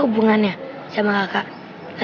ya berhasil kan getting film